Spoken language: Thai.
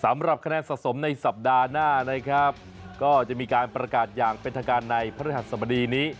สำหรับคะแนนสะสมในสัปดาห์หน้านะครับก็จะมีการประกาศอย่างเป็นทางการในพระฤหัสสบดีนี้